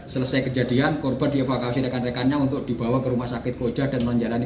selesai kejadian korban dievakuasi rekan rekannya untuk dibawa ke rumah sakit koja dan menjalani